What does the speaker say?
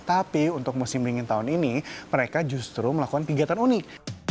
tapi untuk musim dingin tahun ini mereka justru melakukan kegiatan unik